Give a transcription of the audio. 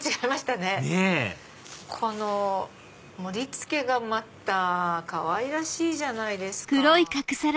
ねぇこの盛り付けがまたかわいらしいじゃないですか。